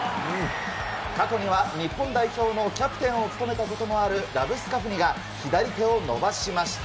過去には日本代表のキャプテンを務めたことがあるラブスカフニが左手を伸ばしました。